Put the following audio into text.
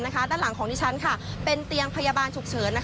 ด้านหลังของดิฉันเป็นเตียงพยาบาลฉุกเฉิน